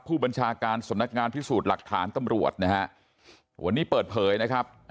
ผู้บัญชาการสำนักงานพิสูจน์หลักฐานตำรวจนะฮะวันนี้เปิดเผยนะครับ